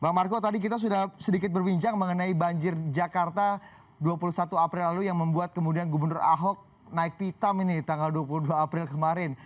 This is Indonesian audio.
bang marco tadi kita sudah sedikit berbincang mengenai banjir jakarta dua puluh satu april lalu yang membuat kemudian gubernur ahok naik pitam ini tanggal dua puluh dua april kemarin